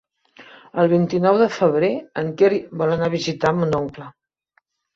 El vint-i-nou de febrer en Quer vol anar a visitar mon oncle.